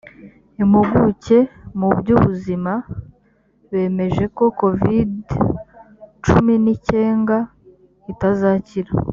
impuguke mu byubuzima bemeje ko covid cumi ni cyenga itazakira